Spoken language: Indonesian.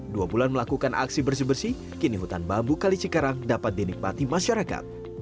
dua bulan melakukan aksi bersih bersih kini hutan bambu kali cikarang dapat dinikmati masyarakat